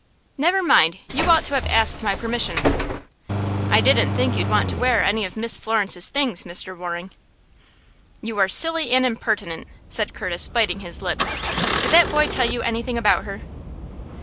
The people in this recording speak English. "Never mind; you ought to have asked my permission." "I didn't think you'd want to wear any of Miss Florence's things, Mr. Waring." "You are silly and impertinent," said Curtis, biting his lips. "Did that boy tell you anything about her?"